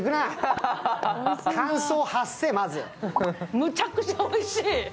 むちゃくちゃおいしい！